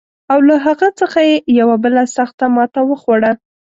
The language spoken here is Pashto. او له هغه څخه یې یوه بله سخته ماته وخوړه.